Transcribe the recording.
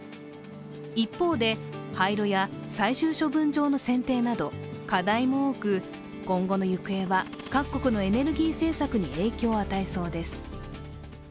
一方で、廃炉や最終処分場の選定など、課題も多く今後の行方は各国のエネルギー政策に影響を与えそうです。